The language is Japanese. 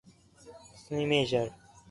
農業